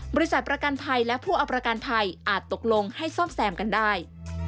บริษัทประกันภัยและผู้เอาประกันภัยอาจตกลงให้ซ่อมแซมกันได้